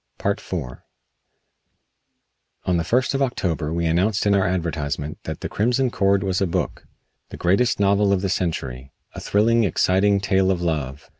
IV On the first of October we announced in our advertisement that "The Crimson Cord" was a book; the greatest novel of the century; a thrilling, exciting tale of love.